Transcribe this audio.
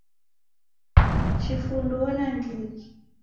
Chifunduo na ndighi.